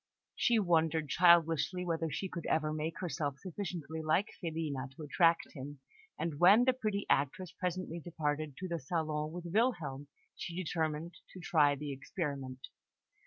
She wondered childishly whether she could ever make herself sufficiently like Filina to attract him; and when the pretty actress presently departed to the salon with Wilhelm, she determined to try the experiment.